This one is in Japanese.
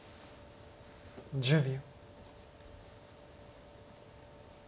１０秒。